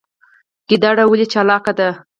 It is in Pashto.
ګیدړه ولې چالاکه ده؟